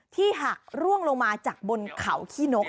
หักร่วงลงมาจากบนเขาขี้นก